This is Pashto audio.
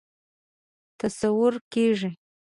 تصور کېږي.